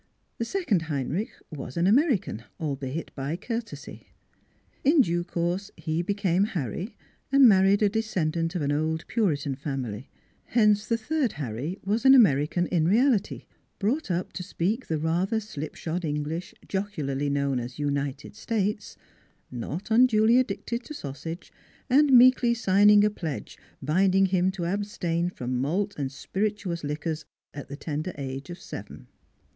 The second Hein rich was an American, albeit by courtesy. In due course he became Harry and married a de scendant of an old Puritan family, hence the third Harry was an American in reality, brought up to speak the rather slipshod English, jocularly known as "United States"; not unduly addicted to sausage, and meekly signing a pledge binding him to abstain from malt and spirituous liquors at the tender age of seven.